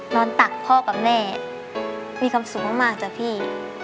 ตักพ่อกับแม่มีความสุขมากจ้ะพี่